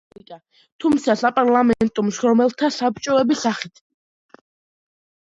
საპარლამენტო რესპუბლიკა, თუმცა საპარლამენტო მშრომელთა საბჭოების სახით.